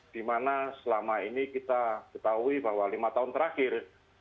dimana selama ini kita ketahui bahwa lima tahun terakhir